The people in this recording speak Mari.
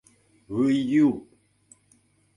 — Выю!